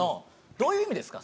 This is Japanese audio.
どういう意味ですか？